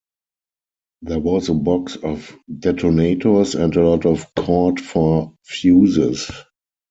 There was a box of detonators, and a lot of cord for fuses.